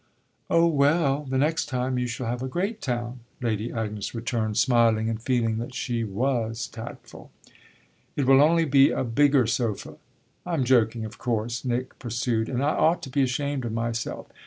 "Oh well, the next time you shall have a great town," Lady Agnes returned, smiling and feeling that she was tactful. "It will only be a bigger sofa! I'm joking, of course?" Nick pursued, "and I ought to be ashamed of myself.